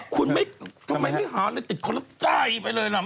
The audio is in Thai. คุณไม่ทำไมไม่หาอะไรติดคนแล้วใจไปเลยล่ะ